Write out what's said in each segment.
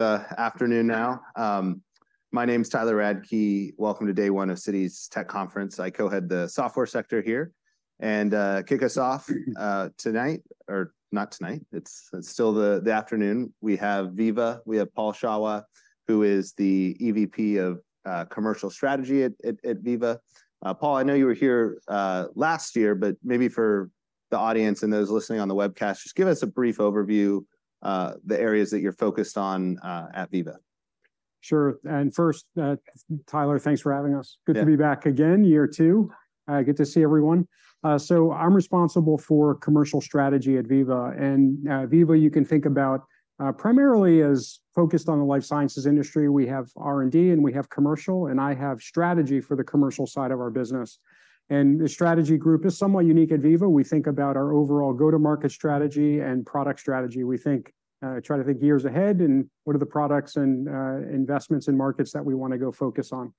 It's the afternoon now. My name's Tyler Radke. Welcome to day one of Citi Tech Conference. I co-head the software sector here, and kick us off tonight, or not tonight, it's still the afternoon. We have Veeva, we have Paul Shawah, who is the EVP of commercial strategy at Veeva. Paul, I know you were here last year, but maybe for the audience and those listening on the webcast, just give us a brief overview, the areas that you're focused on at Veeva. Sure. First, Tyler, thanks for having us. Yeah. Good to be back again, year two. Good to see everyone. So I'm responsible for commercial strategy at Veeva. And, Veeva, you can think about, primarily as focused on the life sciences industry. We have R&D, and we have commercial, and I have strategy for the commercial side of our business. And the strategy group is somewhat unique at Veeva. We think about our overall go-to-market strategy and product strategy. We think, try to think years ahead and what are the products and, investments and markets that we want to go focus on.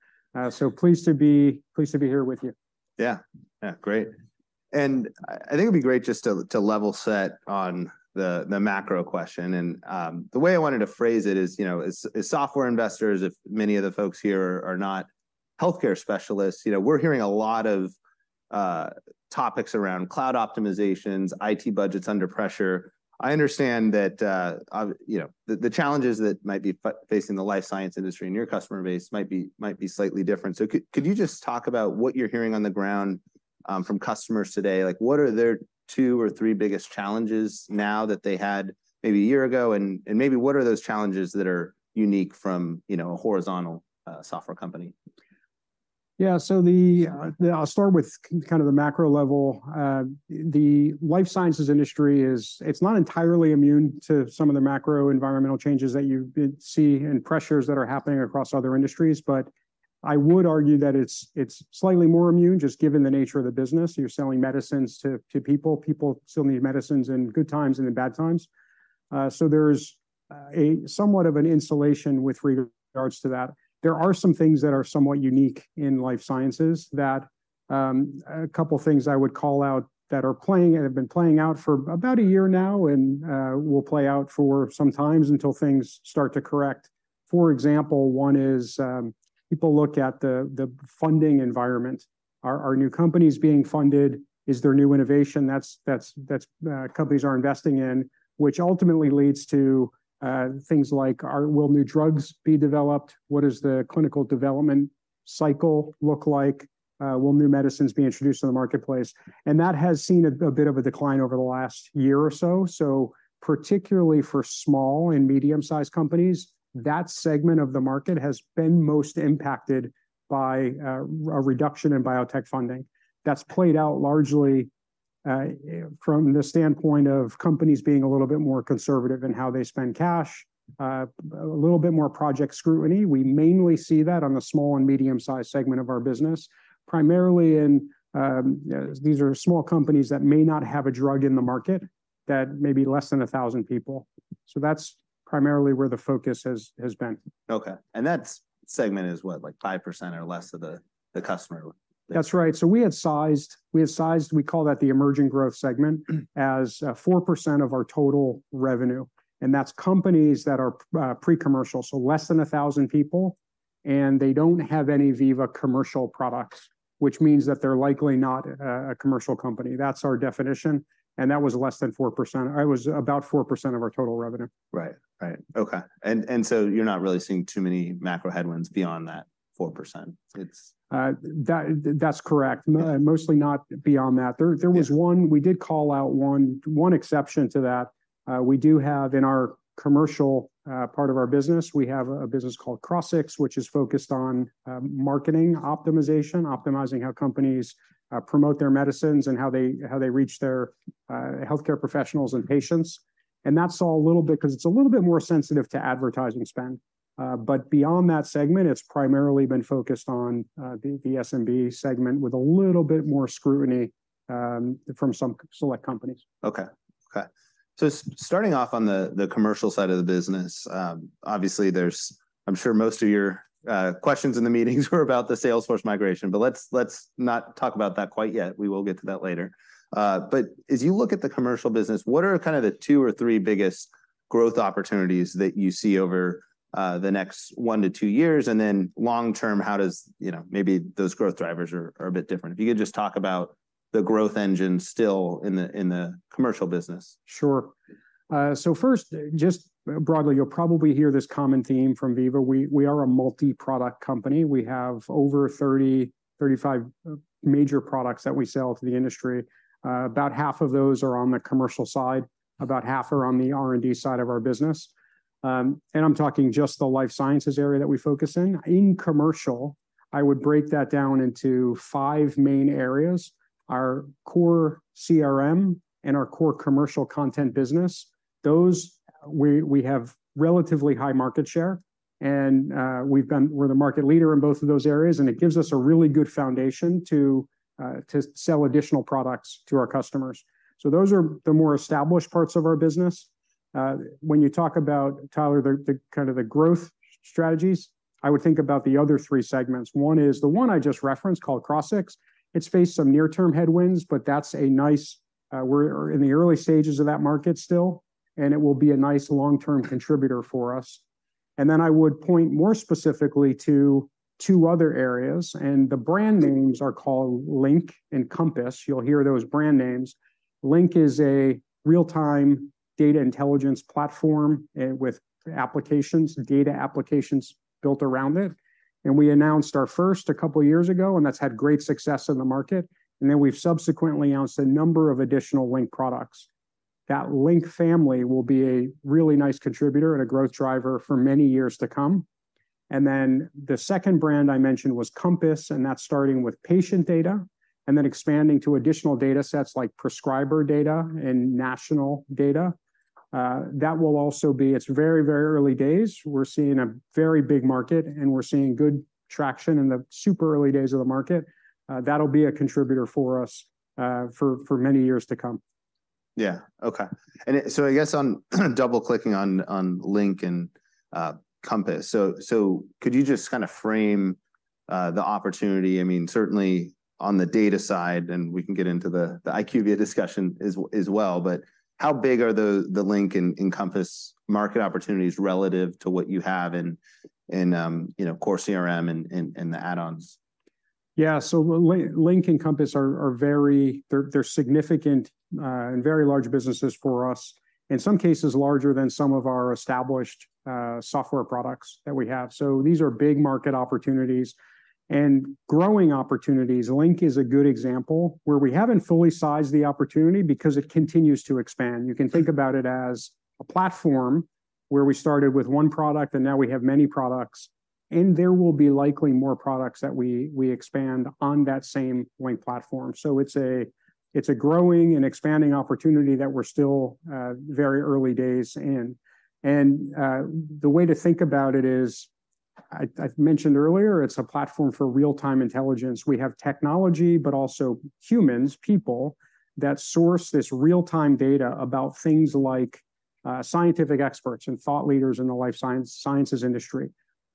So pleased to be, pleased to be here with you. Yeah. Yeah, great. And I think it'd be great just to level set on the macro question. And the way I wanted to phrase it is, you know, as software investors, if many of the folks here are not healthcare specialists, you know, we're hearing a lot of topics around cloud optimizations, IT budgets under pressure. I understand that, you know, the challenges that might be facing the life science industry and your customer base might be slightly different. So could you just talk about what you're hearing on the ground from customers today? Like, what are their two or three biggest challenges now that they had maybe a year ago, and maybe what are those challenges that are unique from, you know, a horizontal software company? Yeah. So the, I'll start with kind of the macro level. The life sciences industry is, it's not entirely immune to some of the macro environmental changes that you see and pressures that are happening across other industries, but I would argue that it's slightly more immune, just given the nature of the business. You're selling medicines to people. People still need medicines in good times and in bad times. So there's a somewhat of an insulation with regards to that. There are some things that are somewhat unique in life sciences that... A couple of things I would call out that are playing and have been playing out for about a year now and will play out for some times until things start to correct. For example, one is, people look at the funding environment. Are new companies being funded? Is there new innovation that's companies are investing in? Which ultimately leads to things like, will new drugs be developed? What is the clinical development cycle look like? Will new medicines be introduced to the marketplace? And that has seen a bit of a decline over the last year or so. So particularly for small and medium-sized companies, that segment of the market has been most impacted by a reduction in biotech funding. That's played out largely from the standpoint of companies being a little bit more conservative in how they spend cash, a little bit more project scrutiny. We mainly see that on the small and medium-sized segment of our business, primarily in these are small companies that may not have a drug in the market, that may be less than 1,000 people. So that's primarily where the focus has been. Okay. And that segment is what, like, 5% or less of the customer? That's right. So we had sized, we had sized, we call that the emerging growth segment, as 4% of our total revenue, and that's companies that are pre-commercial, so less than 1,000 people, and they don't have any Veeva commercial products, which means that they're likely not a commercial company. That's our definition, and that was less than 4%. It was about 4% of our total revenue. Right. Right. Okay. And, and so you're not really seeing too many macro headwinds beyond that 4%. It's- That's correct. Yeah. Mostly not beyond that. Yeah. We did call out one exception to that. We do have in our commercial part of our business a business called Crossix, which is focused on marketing optimization, optimizing how companies promote their medicines and how they reach their healthcare professionals and patients. And that saw a little bit, 'cause it's a little bit more sensitive to advertising spend. But beyond that segment, it's primarily been focused on the SMB segment with a little bit more scrutiny from some select companies. Okay, okay. So starting off on the commercial side of the business, obviously, there's... I'm sure most of your questions in the meetings were about the Salesforce migration, but let's not talk about that quite yet. We will get to that later. But as you look at the commercial business, what are kind of the two or three biggest growth opportunities that you see over the next one to two years? And then long term, how does, you know, maybe those growth drivers are a bit different. If you could just talk about the growth engine still in the commercial business. Sure. So first, just broadly, you'll probably hear this common theme from Veeva. We are a multi-product company. We have over 30, 35 major products that we sell to the industry. About half of those are on the commercial side, about half are on the R&D side of our business. And I'm talking just the life sciences area that we focus in. In commercial, I would break that down into five main areas: our core CRM and our core commercial content business. Those, we have relatively high market share, and we've been- we're the market leader in both of those areas, and it gives us a really good foundation to sell additional products to our customers. So those are the more established parts of our business. When you talk about, Tyler, the kind of the growth-... strategies, I would think about the other three segments. One is the one I just referenced called Crossix. It's faced some near-term headwinds, but that's a nice, we're in the early stages of that market still, and it will be a nice long-term contributor for us. And then I would point more specifically to two other areas, and the brand names are called Link and Compass. You'll hear those brand names. Link is a real-time data intelligence platform with applications, data applications built around it, and we announced our first a couple of years ago, and that's had great success in the market. And then we've subsequently announced a number of additional Link products. That Link family will be a really nice contributor and a growth driver for many years to come. Then the second brand I mentioned was Compass, and that's starting with patient data, and then expanding to additional data sets like prescriber data and national data. That will also be. It's very, very early days. We're seeing a very big market, and we're seeing good traction in the super early days of the market. That'll be a contributor for us, for many years to come. Yeah. Okay. And so I guess on double-clicking on Link and Compass, so could you just kinda frame the opportunity? I mean, certainly on the data side, and we can get into the IQVIA discussion as well, but how big are the Link and Compass market opportunities relative to what you have in you know core CRM and the add-ons? Yeah, so Link and Compass are very. They're significant and very large businesses for us, in some cases larger than some of our established software products that we have. So these are big market opportunities and growing opportunities. Link is a good example where we haven't fully sized the opportunity because it continues to expand. You can think about it as a platform where we started with one product, and now we have many products, and there will be likely more products that we expand on that same Link platform. So it's a growing and expanding opportunity that we're still very early days in. And the way to think about it is, I've mentioned earlier, it's a platform for real-time intelligence. We have technology, but also humans, people, that source this real-time data about things like scientific experts and thought leaders in the life sciences industry.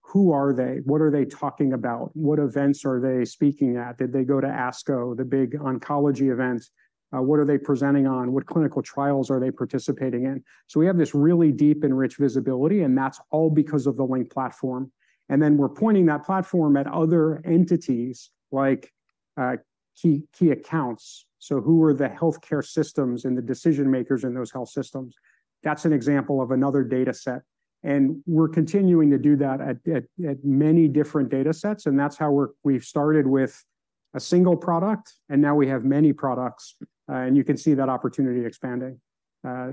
Who are they? What are they talking about? What events are they speaking at? Did they go to ASCO, the big oncology events? What are they presenting on? What clinical trials are they participating in? So we have this really deep and rich visibility, and that's all because of the Link platform. Then we're pointing that platform at other entities, like key, key accounts. So who are the healthcare systems and the decision makers in those health systems? That's an example of another data set, and we're continuing to do that at many different data sets, and that's how we're-- we've started with a single product, and now we have many products, and you can see that opportunity expanding.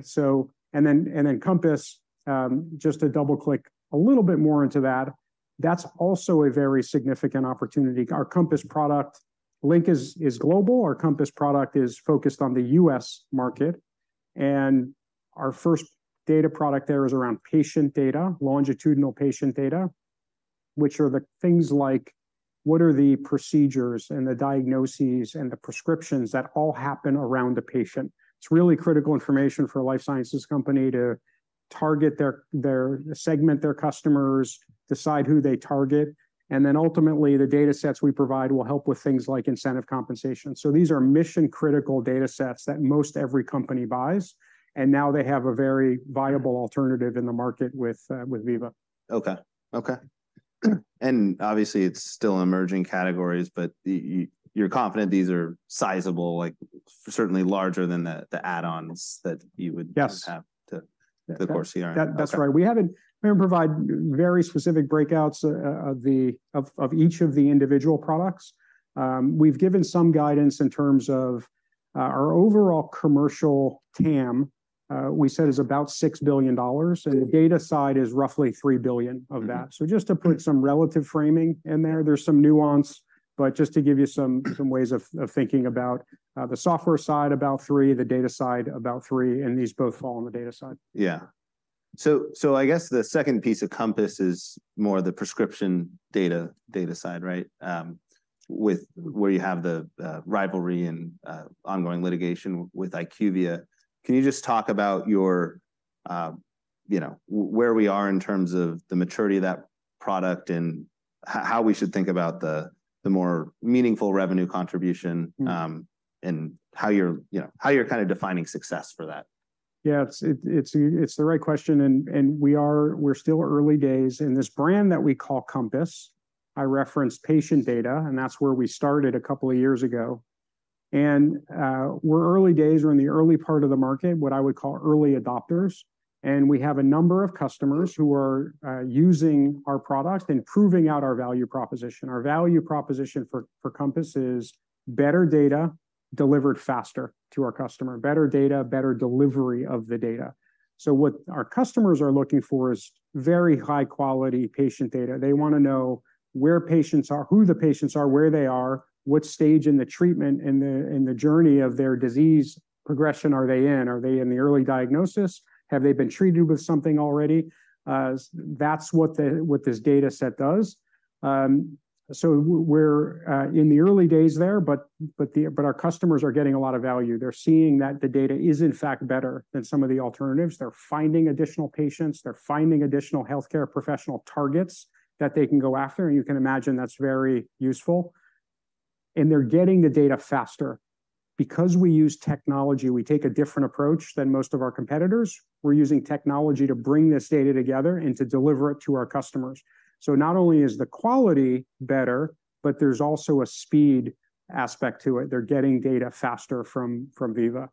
So, and then Compass, just to double-click a little bit more into that, that's also a very significant opportunity. Our Compass product... Link is global. Our Compass product is focused on the U.S. market, and our first data product there is around patient data, longitudinal patient data, which are the things like what are the procedures and the diagnoses and the prescriptions that all happen around the patient. It's really critical information for a life sciences company to target their segment their customers, decide who they target, and then ultimately, the data sets we provide will help with things like incentive compensation. So these are mission-critical data sets that most every company buys, and now they have a very viable alternative in the market with Veeva. Okay. Okay. And obviously, it's still emerging categories, but you're confident these are sizable, like, certainly larger than the add-ons that you would- Yes have to the core CRM. That, that's right. We haven't provided very specific breakouts of each of the individual products. We've given some guidance in terms of our overall commercial TAM, we said is about $6 billion, and the data side is roughly $3 billion of that. Mm-hmm. So just to put some relative framing in there, there's some nuance, but just to give you some ways of thinking about the software side, about 3, the data side, about 3, and these both fall on the data side. Yeah. So I guess the second piece of Compass is more the prescription data, data side, right? With where you have the rivalry and ongoing litigation with IQVIA. Can you just talk about your, you know, where we are in terms of the maturity of that product and how we should think about the more meaningful revenue contribution? Mm... and how you're, you know, how you're kind of defining success for that? Yeah, it's the right question, and we're still early days. In this brand that we call Compass, I referenced patient data, and that's where we started a couple of years ago. And we're early days. We're in the early part of the market, what I would call early adopters, and we have a number of customers who are using our product and proving out our value proposition. Our value proposition for Compass is better data delivered faster to our customer. Better data, better delivery of the data. So what our customers are looking for is very high-quality patient data. They wanna know where patients are, who the patients are, where they are, what stage in the treatment in the journey of their disease progression are they in? Are they in the early diagnosis? Have they been treated with something already? That's what the, what this data set does. We're in the early days there, but our customers are getting a lot of value. They're seeing that the data is, in fact, better than some of the alternatives. They're finding additional patients. They're finding additional healthcare professional targets that they can go after, and you can imagine that's very useful, and they're getting the data faster. Because we use technology, we take a different approach than most of our competitors. We're using technology to bring this data together and to deliver it to our customers. So not only is the quality better, but there's also a speed aspect to it. They're getting data faster from Veeva.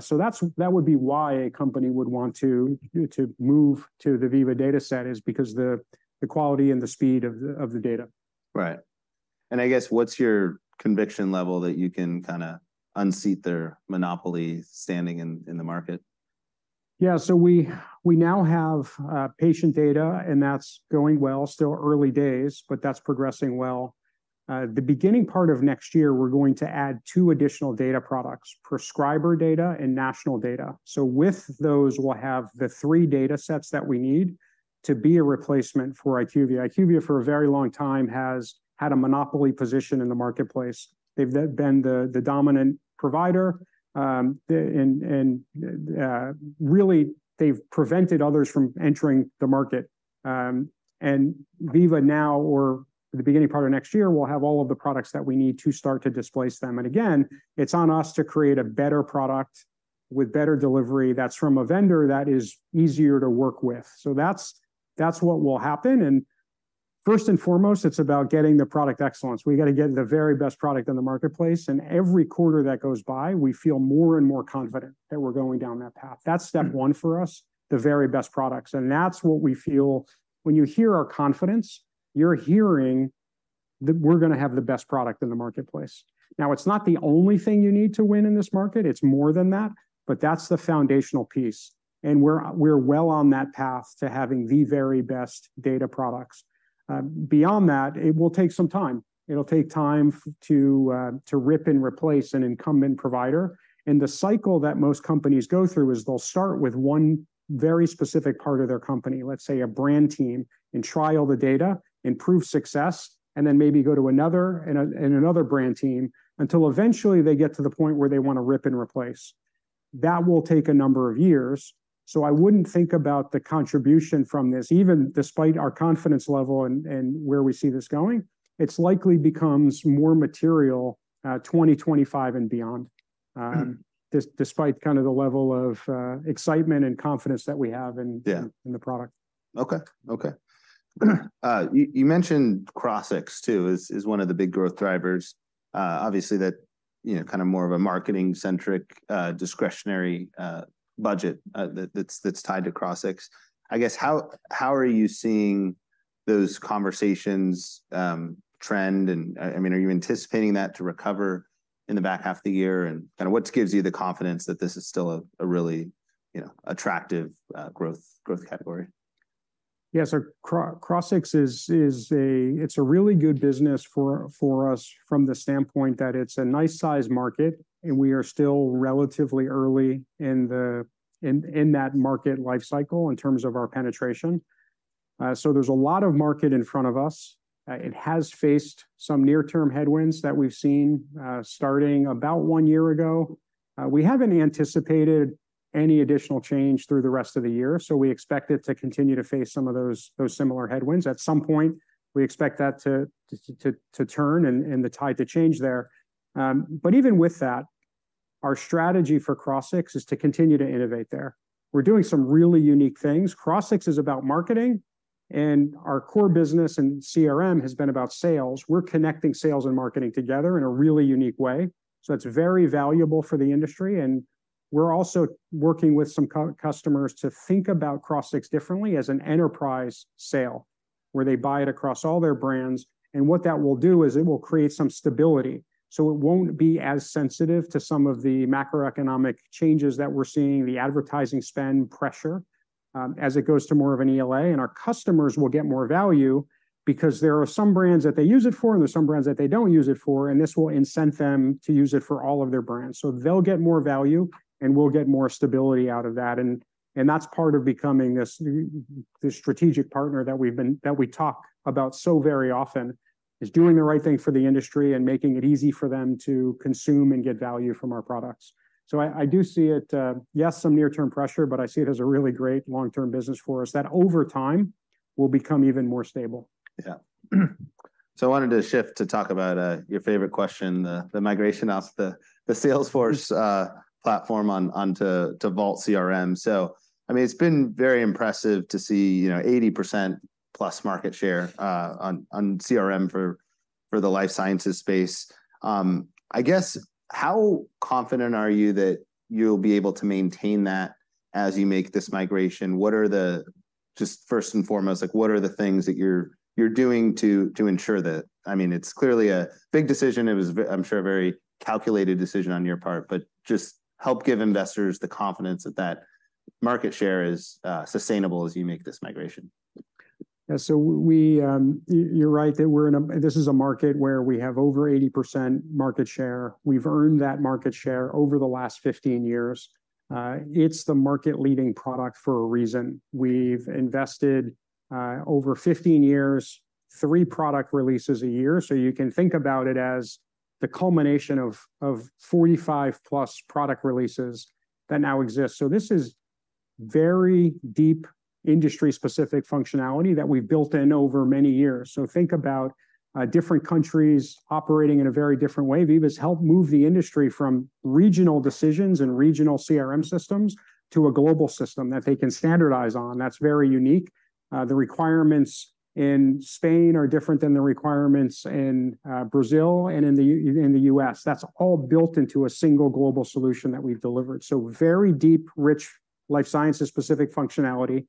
So that would be why a company would want to move to the Veeva data set, is because the quality and the speed of the data. Right. And I guess, what's your conviction level that you can kinda unseat their monopoly standing in, in the market? Yeah, so we, we now have patient data, and that's going well. Still early days, but that's progressing well. The beginning part of next year, we're going to add two additional data products: prescriber data and national data. So with those, we'll have the three data sets that we need to be a replacement for IQVIA. IQVIA, for a very long time, has had a monopoly position in the marketplace. They've been the dominant provider. And really, they've prevented others from entering the market. And Veeva now, or the beginning part of next year, will have all of the products that we need to start to displace them. And again, it's on us to create a better product with better delivery that's from a vendor that is easier to work with. So that's, that's what will happen, and first and foremost, it's about getting the product excellence. We gotta get the very best product on the marketplace, and every quarter that goes by, we feel more and more confident that we're going down that path. That's step one for us, the very best products, and that's what we feel. When you hear our confidence, you're hearing that we're gonna have the best product in the marketplace. Now, it's not the only thing you need to win in this market, it's more than that, but that's the foundational piece, and we're well on that path to having the very best data products. Beyond that, it will take some time. It'll take time to rip and replace an incumbent provider. The cycle that most companies go through is they'll start with one very specific part of their company, let's say a brand team, and try all the data and prove success, and then maybe go to another, and another brand team, until eventually they get to the point where they wanna rip and replace. That will take a number of years, so I wouldn't think about the contribution from this. Even despite our confidence level and, and where we see this going, it's likely becomes more material, 2025 and beyond. Mm... despite kinda the level of excitement and confidence that we have in- Yeah - in the product. Okay. Okay. You mentioned Crossix, too, as one of the big growth drivers. Obviously, that, you know, kind of more of a marketing-centric discretionary budget that's tied to Crossix. I guess, how are you seeing those conversations trend, and I mean, are you anticipating that to recover in the back half of the year? And kinda what gives you the confidence that this is still a really, you know, attractive growth category? Yeah, so Crossix is a really good business for us from the standpoint that it's a nice size market, and we are still relatively early in that market life cycle in terms of our penetration. So there's a lot of market in front of us. It has faced some near-term headwinds that we've seen starting about one year ago. We haven't anticipated any additional change through the rest of the year, so we expect it to continue to face some of those similar headwinds. At some point, we expect that to turn, and the tide to change there. But even with that, our strategy for Crossix is to continue to innovate there. We're doing some really unique things. Crossix is about marketing, and our core business and CRM has been about sales. We're connecting sales and marketing together in a really unique way, so it's very valuable for the industry, and we're also working with some customers to think about Crossix differently as an enterprise sale, where they buy it across all their brands. And what that will do is it will create some stability, so it won't be as sensitive to some of the macroeconomic changes that we're seeing, the advertising spend pressure, as it goes to more of an ELA. And our customers will get more value because there are some brands that they use it for, and there are some brands that they don't use it for, and this will incent them to use it for all of their brands. So they'll get more value, and we'll get more stability out of that, and that's part of becoming this, the strategic partner that we've been-that we talk about so very often, is doing the right thing for the industry and making it easy for them to consume and get value from our products. So I do see it, yes, some near-term pressure, but I see it as a really great long-term business for us, that over time will become even more stable. Yeah. So I wanted to shift to talk about, your favorite question, the migration off the Salesforce platform onto Vault CRM. So I mean, it's been very impressive to see, you know, 80%+ market share on CRM for the life sciences space. I guess, how confident are you that you'll be able to maintain that as you make this migration? What are the... Just first and foremost, like, what are the things that you're doing to ensure that? I mean, it's clearly a big decision. It was - I'm sure, a very calculated decision on your part, but just help give investors the confidence that that market share is sustainable as you make this migration. Yeah, so we, you're right, that we're in a... This is a market where we have over 80% market share. We've earned that market share over the last 15 years. It's the market-leading product for a reason. We've invested over 15 years, three product releases a year, so you can think about it as the culmination of 45+ product releases that now exist. So this is very deep, industry-specific functionality that we've built in over many years. So think about different countries operating in a very different way. Veeva's helped move the industry from regional decisions and regional CRM systems to a global system that they can standardize on. That's very unique. The requirements in Spain are different than the requirements in Brazil and in the US. That's all built into a single global solution that we've delivered. So very deep, rich life sciences-specific functionality,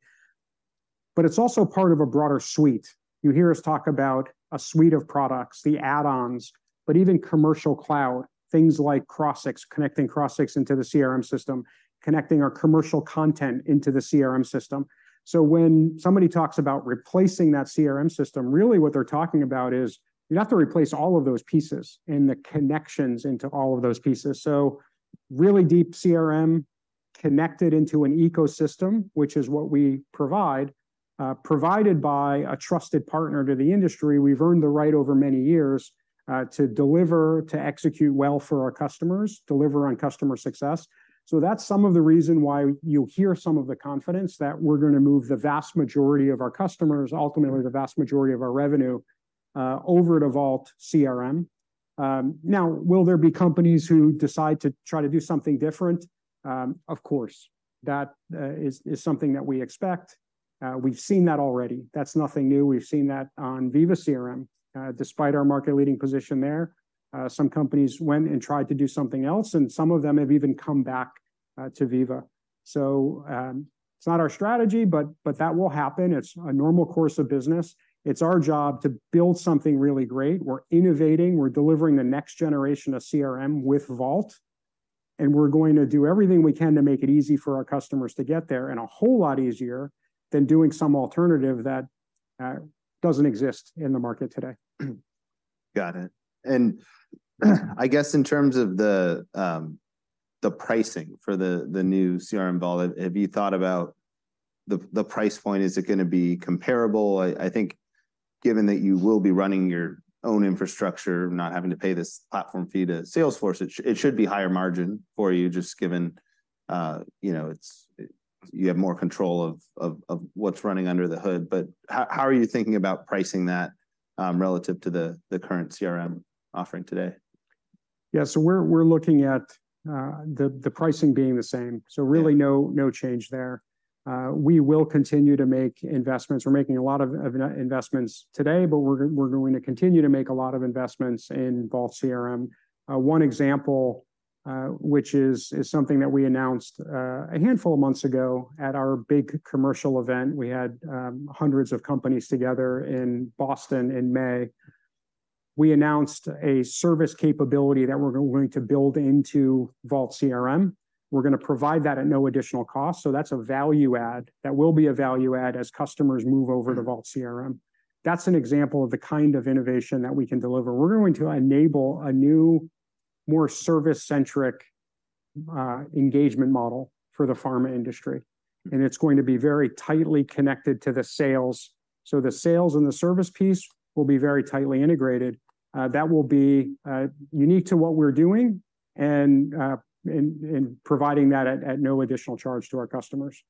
but it's also part of a broader suite. You hear us talk about a suite of products, the add-ons, but even commercial cloud, things like Crossix, connecting Crossix into the CRM system, connecting our commercial content into the CRM system. So when somebody talks about replacing that CRM system, really what they're talking about is you'd have to replace all of those pieces and the connections into all of those pieces. So really deep CRM connected into an ecosystem, which is what we provide, provided by a trusted partner to the industry. We've earned the right over many years to deliver, to execute well for our customers, deliver on customer success. So that's some of the reason why you hear some of the confidence that we're gonna move the vast majority of our customers, ultimately, the vast majority of our revenue, over to Vault CRM. Now, will there be companies who decide to try to do something different? Of course, that is something that we expect. We've seen that already. That's nothing new. We've seen that on Veeva CRM. Despite our market leading position there, some companies went and tried to do something else, and some of them have even come back to Veeva. So, it's not our strategy, but that will happen. It's a normal course of business. It's our job to build something really great. We're innovating, we're delivering the next generation of CRM with Vault, and we're going to do everything we can to make it easy for our customers to get there, and a whole lot easier than doing some alternative that doesn't exist in the market today. Got it. And I guess in terms of the pricing for the new Vault CRM, have you thought about the price point? Is it gonna be comparable? I think given that you will be running your own infrastructure, not having to pay this platform fee to Salesforce, it should be higher margin for you, just given you know, it's you have more control of what's running under the hood. But how are you thinking about pricing that relative to the current CRM offering today? Yeah. So we're looking at the pricing being the same. Yeah. So really no, no change there. We will continue to make investments. We're making a lot of, of investments today, but we're going to continue to make a lot of investments in Vault CRM. One example, which is something that we announced a handful of months ago at our big commercial event, we had hundreds of companies together in Boston in May. We announced a service capability that we're going to build into Vault CRM. We're gonna provide that at no additional cost, so that's a value add. That will be a value add as customers move over to Vault CRM. That's an example of the kind of innovation that we can deliver. We're going to enable a new, more service-centric engagement model for the pharma industry, and it's going to be very tightly connected to the sales. So the sales and the service piece will be very tightly integrated. That will be unique to what we're doing and providing that at no additional charge to our customers.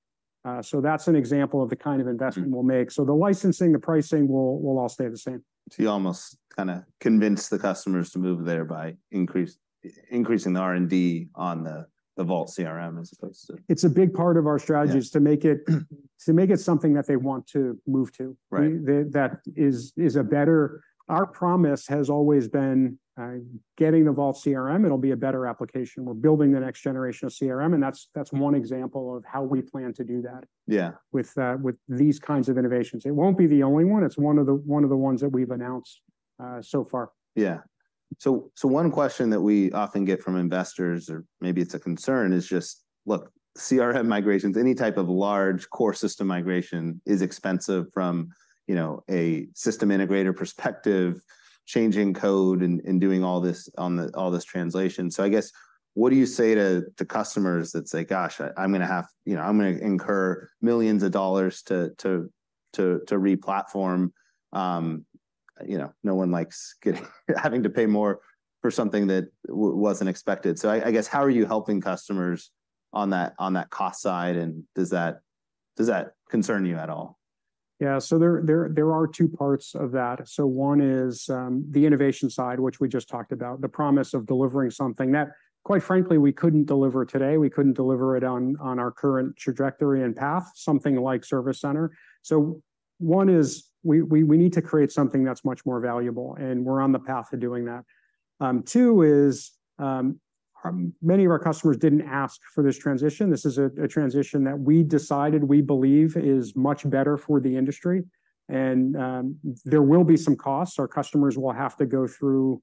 So that's an example of the kind of investment we'll make. So the licensing, the pricing will all stay the same. So you almost kind of convince the customers to move there by increasing the R&D on the Vault CRM, as opposed to- It's a big part of our strategy- Yeah... is to make it something that they want to move to. Right. Our promise has always been getting the Vault CRM, it'll be a better application. We're building the next generation of CRM, and that's one example of how we plan to do that- Yeah with these kinds of innovations. It won't be the only one. It's one of the ones that we've announced so far. Yeah. So one question that we often get from investors, or maybe it's a concern, is just, look, CRM migrations, any type of large core system migration is expensive from, you know, a system integrator perspective, changing code and doing all this translation. So I guess, what do you say to the customers that say, "Gosh, I'm gonna have. You know, I'm gonna incur $ millions to re-platform?" You know, no one likes having to pay more for something that wasn't expected. So I guess, how are you helping customers on that cost side, and does that concern you at all? Yeah. So there are two parts of that. So one is the innovation side, which we just talked about, the promise of delivering something that, quite frankly, we couldn't deliver today. We couldn't deliver it on our current trajectory and path, something like Service Center. So one is we need to create something that's much more valuable, and we're on the path to doing that. Two is many of our customers didn't ask for this transition. This is a transition that we decided, we believe is much better for the industry. And there will be some costs. Our customers will have to go through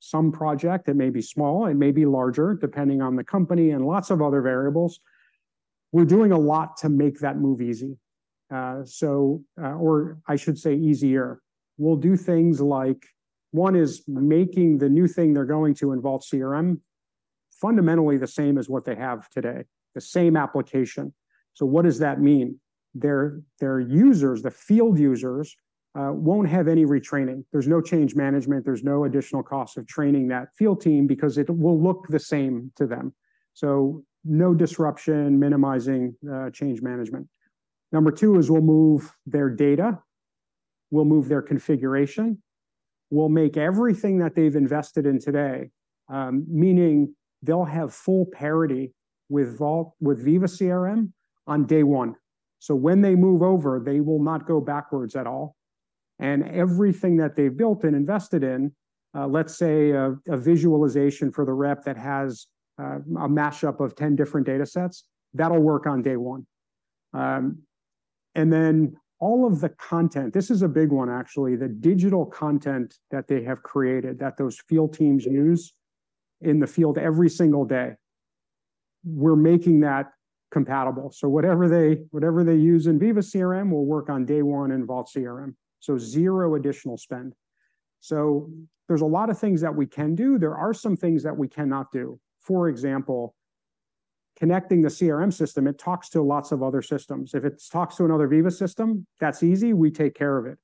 some project that may be small and may be larger, depending on the company and lots of other variables. We're doing a lot to make that move easy. So... Or I should say easier. We'll do things like, one is making the new thing they're going to in Vault CRM fundamentally the same as what they have today, the same application. So what does that mean? Their users, the field users, won't have any retraining. There's no change management, there's no additional cost of training that field team because it will look the same to them. So no disruption, minimizing change management. Number two is we'll move their data, we'll move their configuration, we'll make everything that they've invested in today, meaning they'll have full parity with Vault, with Veeva CRM on day one. So when they move over, they will not go backwards at all, and everything that they've built and invested in, let's say, a visualization for the rep that has a mashup of 10 different data sets, that'll work on day one. And then all of the content, this is a big one actually, the digital content that they have created, that those field teams use in the field every single day, we're making that compatible. So whatever they, whatever they use in Veeva CRM will work on day one in Vault CRM, so zero additional spend. So there's a lot of things that we can do. There are some things that we cannot do. For example, connecting the CRM system, it talks to lots of other systems. If it talks to another Veeva system, that's easy, we take care of it.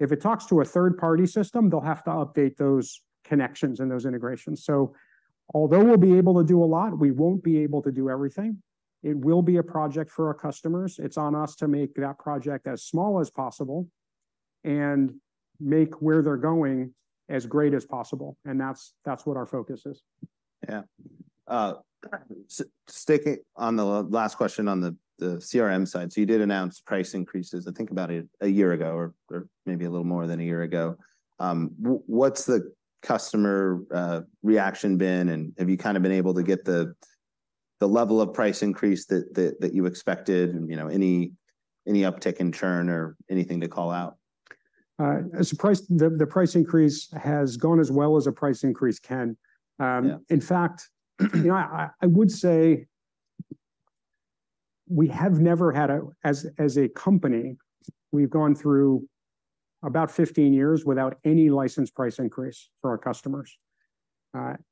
If it talks to a third-party system, they'll have to update those connections and those integrations. So although we'll be able to do a lot, we won't be able to do everything. It will be a project for our customers. It's on us to make that project as small as possible and make where they're going as great as possible, and that's, that's what our focus is. Yeah. Sticking on the last question on the CRM side. So you did announce price increases, I think about a year ago or maybe a little more than a year ago. What's the customer reaction been? And have you kind of been able to get the level of price increase that you expected, and, you know, any uptick in churn or anything to call out? As the price increase has gone as well as a price increase can. Yeah. In fact, you know, I would say we have never had, as a company, we've gone through about 15 years without any license price increase for our customers.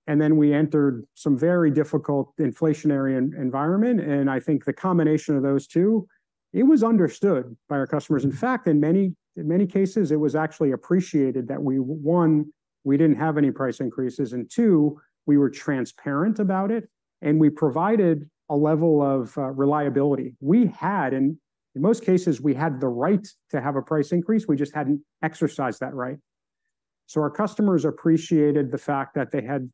And then we entered some very difficult inflationary environment, and I think the combination of those two, it was understood by our customers. In fact, in many cases, it was actually appreciated that, one, we didn't have any price increases, and two, we were transparent about it, and we provided a level of reliability. And in most cases, we had the right to have a price increase, we just hadn't exercised that right. So our customers appreciated the fact that they had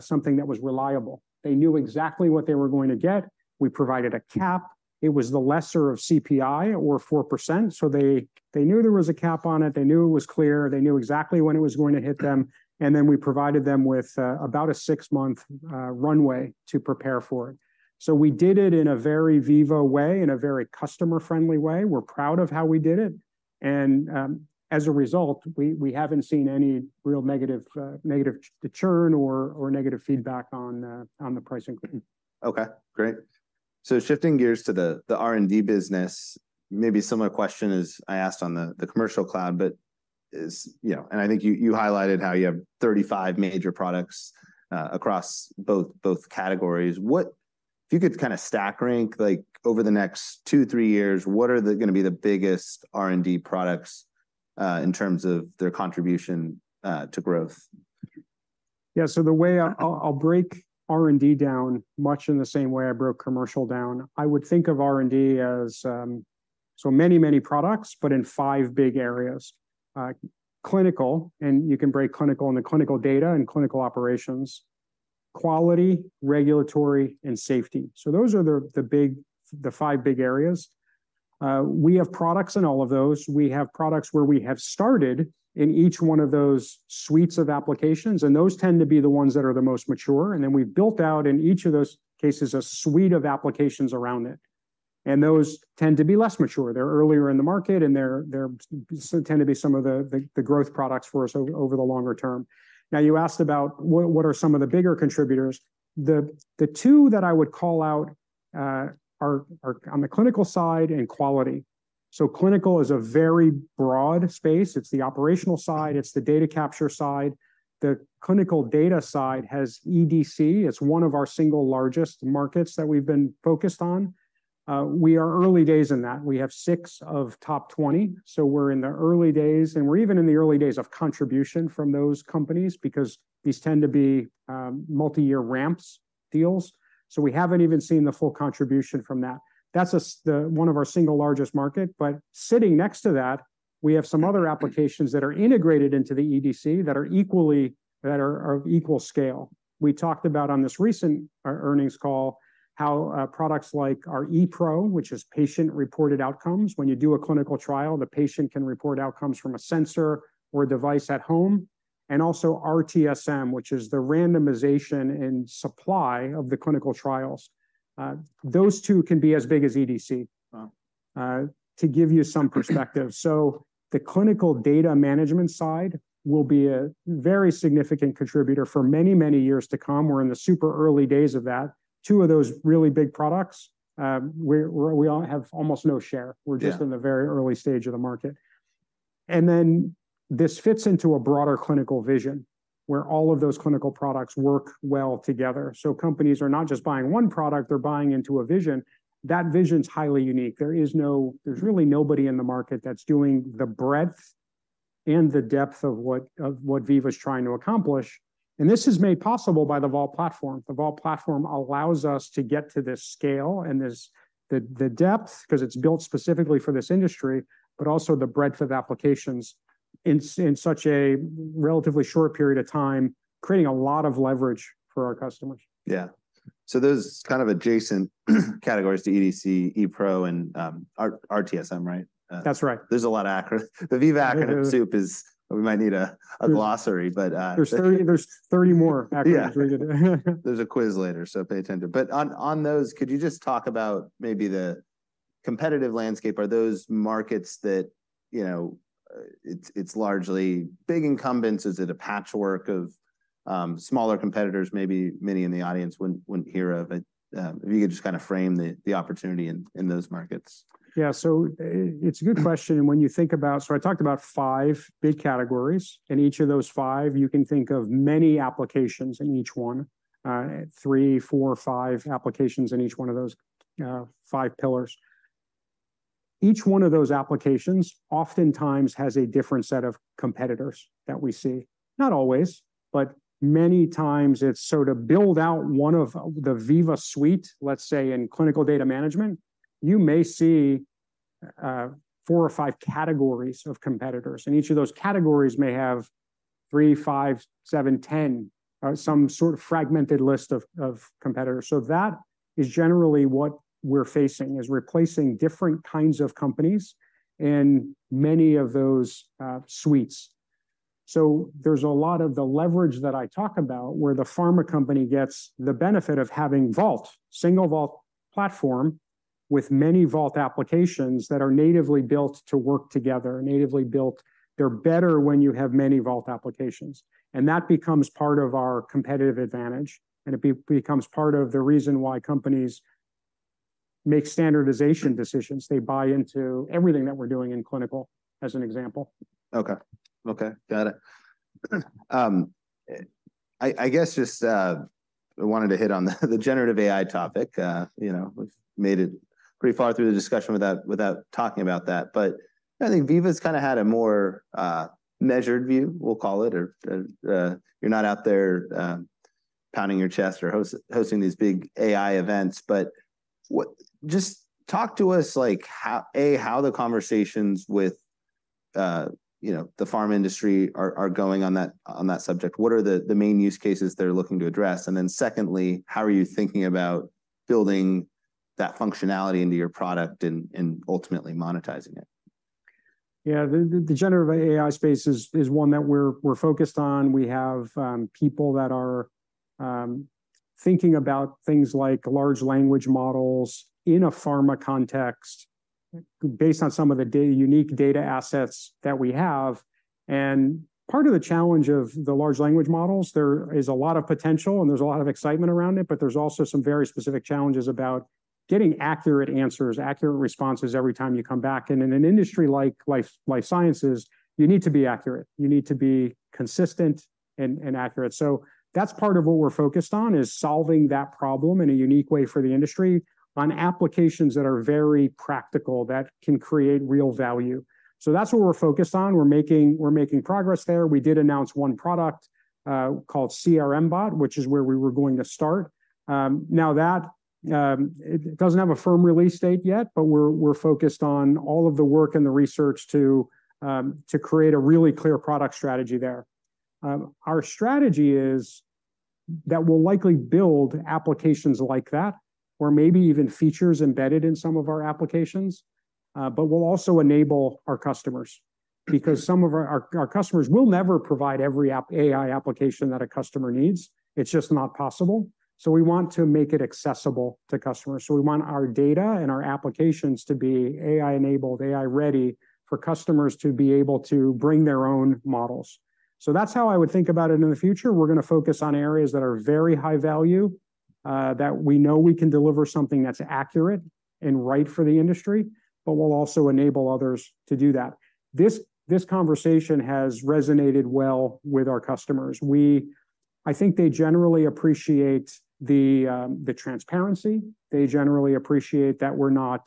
something that was reliable. They knew exactly what they were going to get. We provided a cap. It was the lesser of CPI or 4%, so they knew there was a cap on it, they knew it was clear, they knew exactly when it was going to hit them, and then we provided them with about a 6-month runway to prepare for it. So we did it in a very Veeva way, in a very customer-friendly way. We're proud of how we did it, and as a result, we haven't seen any real negative churn or negative feedback on the price increase. Okay, great. So shifting gears to the R&D business, maybe a similar question as I asked on the commercial cloud, but is... You know, and I think you highlighted how you have 35 major products across both categories. What if you could kinda stack rank, like over the next two to three years, what are gonna be the biggest R&D products in terms of their contribution to growth? Yeah. So the way I'll break R&D down, much in the same way I broke commercial down. I would think of R&D as, so many, many products, but in five big areas: clinical, and you can break clinical into clinical data and clinical operations, quality, regulatory, and safety. So those are the five big areas. We have products in all of those. We have products where we have started in each one of those suites of applications, and those tend to be the ones that are the most mature, and then we've built out, in each of those cases, a suite of applications around it. And those tend to be less mature. They're earlier in the market, and they're tend to be some of the growth products for us over the longer term. Now, you asked about what are some of the bigger contributors? The two that I would call out are on the clinical side and quality. So clinical is a very broad space. It's the operational side, it's the data capture side. The clinical data side has EDC. It's one of our single largest markets that we've been focused on. We are early days in that. We have six of top 20, so we're in the early days, and we're even in the early days of contribution from those companies, because these tend to be multiyear ramps deals. So we haven't even seen the full contribution from that. That's one of our single largest markets, but sitting next to that, we have some other applications that are integrated into the EDC that are of equal scale. We talked about, on this recent earnings call, how products like our ePRO, which is patient-reported outcomes, when you do a clinical trial, the patient can report outcomes from a sensor or device at home, and also RTSM, which is the randomization and supply of the clinical trials. Those two can be as big as EDC. Wow... to give you some perspective. So the clinical data management side will be a very significant contributor for many, many years to come. We're in the super early days of that. Two of those really big products, we all have almost no share. Yeah. We're just in the very early stage of the market... And then this fits into a broader clinical vision, where all of those clinical products work well together. So companies are not just buying one product, they're buying into a vision. That vision's highly unique. There's really nobody in the market that's doing the breadth and the depth of what, of what Veeva is trying to accomplish. And this is made possible by the Vault platform. The Vault platform allows us to get to this scale and this, the, the depth, 'cause it's built specifically for this industry, but also the breadth of applications in such a relatively short period of time, creating a lot of leverage for our customers. Yeah. So those kind of adjacent categories to EDC, ePRO, and RTSM, right? That's right. There's a lot of acronyms. The Veeva acronym soup is. We might need a glossary, but. There's 30, there's 30 more acronyms we could... There's a quiz later, so pay attention. But on those, could you just talk about maybe the competitive landscape? Are those markets that, you know, it's largely big incumbents? Is it a patchwork of smaller competitors, maybe many in the audience wouldn't hear of? But if you could just kind of frame the opportunity in those markets. Yeah, so, it's a good question, and when you think about it. So I talked about five big categories. In each of those five, you can think of many applications in each one. Three, four, five applications in each one of those five pillars. Each one of those applications oftentimes has a different set of competitors that we see. Not always, but many times, it's sort of build out one of the Veeva suite, let's say, in clinical data management, you may see four or five categories of competitors, and each of those categories may have three, five, seven, 10, some sort of fragmented list of competitors. So that is generally what we're facing, is replacing different kinds of companies in many of those suites. So there's a lot of the leverage that I talk about, where the pharma company gets the benefit of having Vault, single Vault platform, with many Vault applications that are natively built to work together, natively built. They're better when you have many Vault applications. And that becomes part of our competitive advantage, and it becomes part of the reason why companies make standardization decisions. They buy into everything that we're doing in clinical, as an example. Okay. Okay, got it. I guess I wanted to hit on the generative AI topic. You know, we've made it pretty far through the discussion without talking about that. But I think Veeva's kind of had a more measured view, we'll call it, or you're not out there pounding your chest or hosting these big AI events. But what-- Just talk to us, like, how, A, how the conversations with you know, the pharma industry are going on that subject. What are the main use cases they're looking to address? And then secondly, how are you thinking about building that functionality into your product and ultimately monetizing it? Yeah, the generative AI space is one that we're focused on. We have people that are thinking about things like large language models in a pharma context based on some of the data, unique data assets that we have. And part of the challenge of the large language models, there is a lot of potential and there's a lot of excitement around it, but there's also some very specific challenges about getting accurate answers, accurate responses every time you come back. And in an industry like life sciences, you need to be accurate. You need to be consistent and accurate. So that's part of what we're focused on, is solving that problem in a unique way for the industry on applications that are very practical, that can create real value. So that's what we're focused on. We're making progress there. We did announce one product called CRM Bot, which is where we were going to start. Now, that it doesn't have a firm release date yet, but we're, we're focused on all of the work and the research to create a really clear product strategy there. Our strategy is that we'll likely build applications like that or maybe even features embedded in some of our applications, but we'll also enable our customers. Because some of our customers... We'll never provide every app, AI application that a customer needs. It's just not possible. So we want to make it accessible to customers. So we want our data and our applications to be AI-enabled, AI-ready for customers to be able to bring their own models. So that's how I would think about it in the future. We're gonna focus on areas that are very high value, that we know we can deliver something that's accurate and right for the industry, but will also enable others to do that. This conversation has resonated well with our customers. I think they generally appreciate the transparency. They generally appreciate that we're not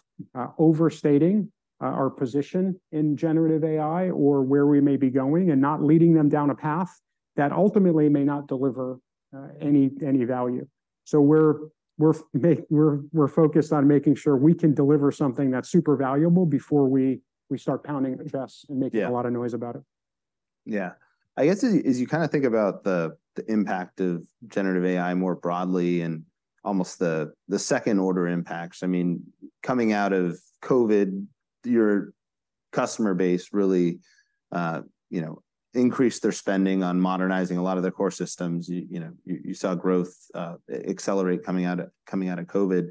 overstating our position in Generative AI or where we may be going, and not leading them down a path that ultimately may not deliver any value. So we're focused on making sure we can deliver something that's super valuable before we start pounding our chests. Yeah... and making a lot of noise about it. Yeah. I guess as you kind of think about the impact of generative AI more broadly and almost the second-order impacts, I mean, coming out of COVID, your customer base really, you know, increased their spending on modernizing a lot of their core systems. You know, you saw growth accelerate coming out of COVID.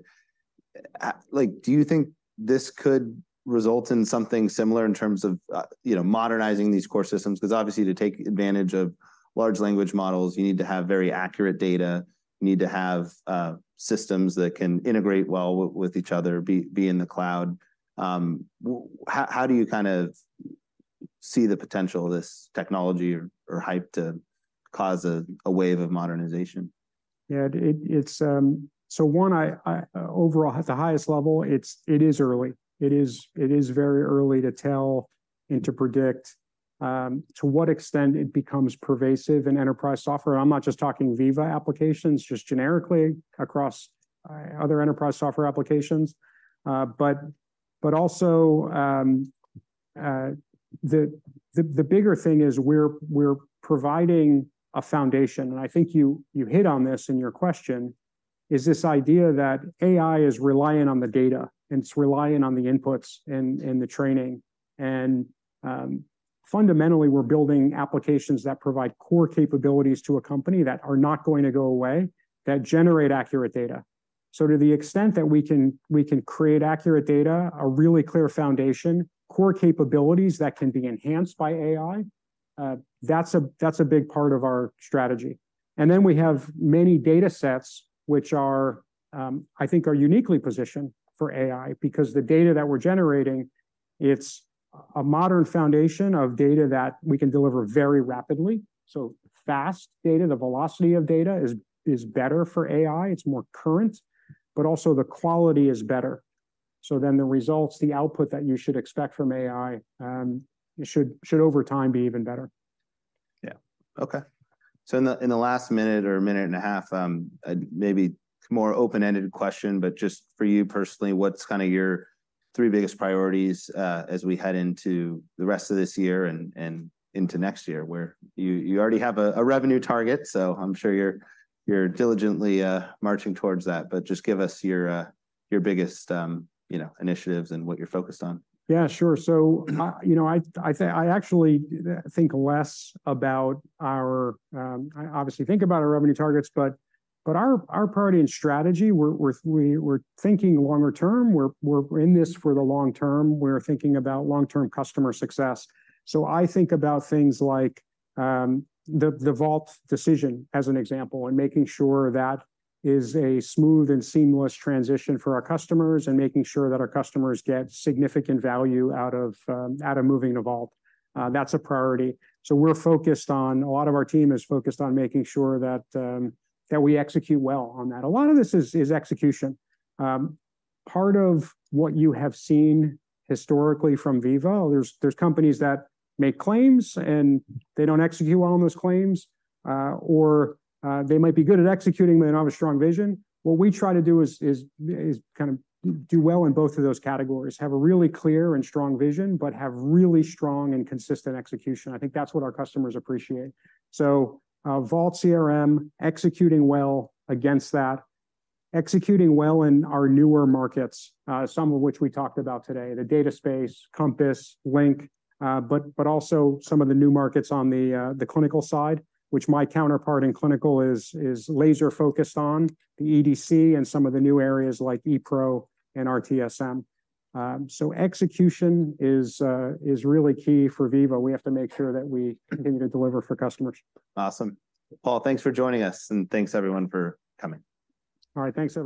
Like, do you think this could result in something similar in terms of, you know, modernizing these core systems? Because obviously, to take advantage of large language models, you need to have very accurate data. You need to have systems that can integrate well with each other, be in the cloud. How do you kind of see the potential of this technology or hype to cause a wave of modernization? Yeah, it, it's, so, overall, at the highest level, it's, it is early. It is very early to tell and to predict, to what extent it becomes pervasive in enterprise software. I'm not just talking Veeva applications, just generically across, other enterprise software applications. But also, the bigger thing is we're providing a foundation, and I think you hit on this in your question, is this idea that AI is reliant on the data, and it's reliant on the inputs and the training. And, fundamentally, we're building applications that provide core capabilities to a company that are not going to go away, that generate accurate data. So to the extent that we can, we can create accurate data, a really clear foundation, core capabilities that can be enhanced by AI, that's a big part of our strategy. And then, we have many datasets, which are, I think, uniquely positioned for AI because the data that we're generating, it's a modern foundation of data that we can deliver very rapidly. So fast data, the velocity of data is better for AI. It's more current, but also the quality is better. So then, the results, the output that you should expect from AI, it should, over time, be even better. Yeah. Okay. So in the last minute or minute and a half, maybe more open-ended question, but just for you personally, what's kind of your three biggest priorities, as we head into the rest of this year and into next year, where you already have a revenue target, so I'm sure you're diligently marching towards that. But just give us your biggest, you know, initiatives and what you're focused on. Yeah, sure. So, you know, I actually think less about our. I obviously think about our revenue targets, but our priority and strategy, we're thinking longer term. We're in this for the long term. We're thinking about long-term customer success. So I think about things like the Vault decision, as an example, and making sure that is a smooth and seamless transition for our customers, and making sure that our customers get significant value out of moving to Vault. That's a priority, so we're focused on. A lot of our team is focused on making sure that we execute well on that. A lot of this is execution. Part of what you have seen historically from Veeva, there are companies that make claims, and they don't execute well on those claims, or they might be good at executing, but they don't have a strong vision. What we try to do is kind of do well in both of those categories, have a really clear and strong vision, but have really strong and consistent execution. I think that's what our customers appreciate. So, Vault CRM, executing well against that, executing well in our newer markets, some of which we talked about today, the data space, Compass, Link, but also some of the new markets on the clinical side, which my counterpart in clinical is laser-focused on, the EDC and some of the new areas like ePRO and RTSM. Execution is really key for Veeva. We have to make sure that we continue to deliver for customers. Awesome. Paul, thanks for joining us, and thanks, everyone, for coming. All right, thanks everyone.